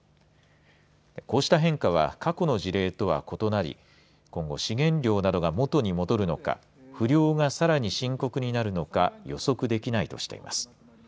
こうした変化は過去の事例とは異なり今後資源量などが元に戻るのか不漁がさらに深刻になるのか予測できないとしています。